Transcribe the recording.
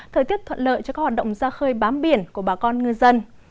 thời tiết thuận lợi cho các hoạt động ra khơi bám biển của bà con ngư dân